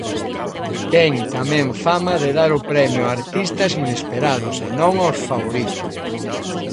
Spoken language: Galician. Ten tamén fama de dar o premio a artistas inesperados e non ós favoritos.